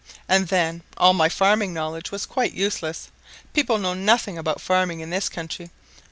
And then all my farming knowledge was quite useless people know nothing about farming in this country.